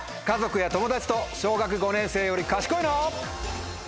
家族や友達と小学５年生より賢いの？